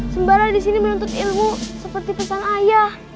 sembara disini menuntut ilmu seperti pesan ayah